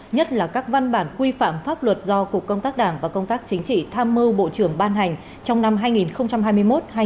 nhất là các văn bản quy phạm pháp luật do cục công tác đảng và công tác chính trị tham mưu bộ trưởng ban hành trong năm hai nghìn hai mươi một hai nghìn hai mươi ba